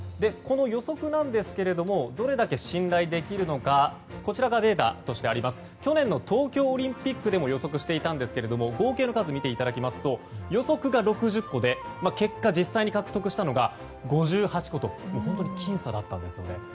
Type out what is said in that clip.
この予測なんですけれどもどれだけ信頼できるのかこちらがデータとしてあります。去年の東京オリンピックでも予測していたんですが合計の数を見ていただきますと予測が６０個で結果、実際に獲得したのが５８個と本当に僅差だったんですね。